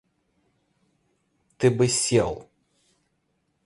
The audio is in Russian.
— Ты бы сел!